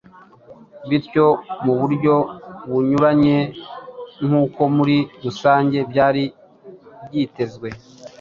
bityo mu buryo bunyuranye n’uko muri rusange byari byitezwe